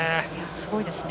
すごいですね。